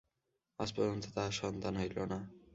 আজ পর্যন্ত তাঁহার সন্তান হইল না।